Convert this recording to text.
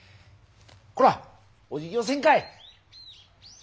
こらお辞儀をせんかい！